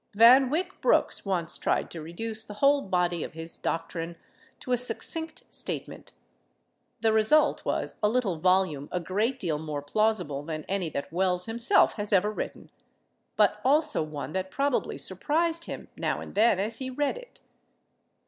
Van Wyck Brooks once tried to reduce the whole body of his doctrine to a succinct statement. The result was a little volume a great deal more plausible than any that Wells himself has ever written—but also one that probably surprised him now and then as he read it.